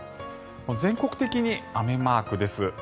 全国的に雨マークです。